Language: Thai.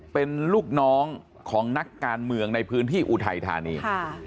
เป็นลูกน้องของนักการเมืองในพื้นที่อุทัยธานี